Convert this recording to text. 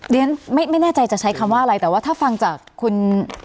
ไม่แน่ใจจะใช้คำว่าอะไรแต่ว่าถ้าฟังจากคุณ